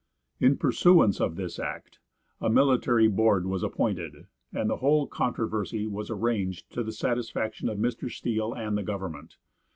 In pursuance of this act, a military board was appointed, and the whole controversy was arranged to the satisfaction of Mr. Steele and the government.